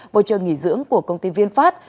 voucher nghỉ dưỡng của công ty viên phát